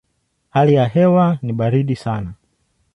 Hali ya hewa ni baridi sana.